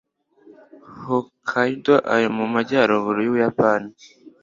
hokkaido ari mu majyaruguru yubuyapani